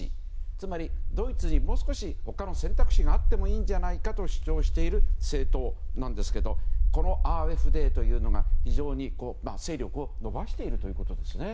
つまりドイツにもう少し、他の選択肢があってもいいんじゃないかと主張している政党なんですけどこのＡｆＤというのが非常に勢力を伸ばしているということですね。